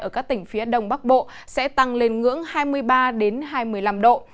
ở các tỉnh phía đông bắc bộ sẽ tăng lên ngưỡng hai mươi ba hai mươi năm độ